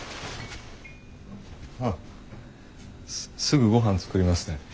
あっすすぐごはん作りますね。